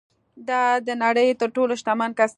دا د نړۍ تر ټولو شتمن کس ده